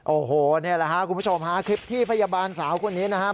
โอ้โหนี่แหละครับคุณผู้ชมฮะคลิปที่พยาบาลสาวคนนี้นะครับ